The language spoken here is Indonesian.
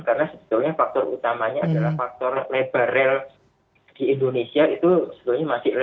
karena sebetulnya faktor utamanya adalah faktor liberal di indonesia itu sebetulnya masih liberal